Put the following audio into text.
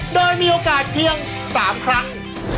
โดยมีโอกาสเพียง๓ครั้ง